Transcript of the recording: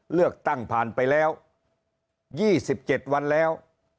เลือกตั้งผ่านไปแล้วยี่สิบเจ็ดวันแล้ว